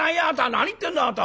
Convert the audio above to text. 何言ってんだあなた！